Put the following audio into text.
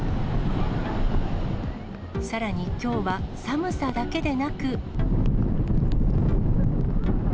さらにきょうは寒さだけでなく。